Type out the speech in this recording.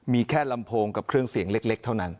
มีแค่ลำโพงกับเครื่องเสียงเล็กเท่านั้น